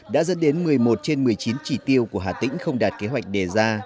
đã dẫn đến một mươi một trên một mươi chín chỉ tiêu của hà tĩnh không đạt kế hoạch đề ra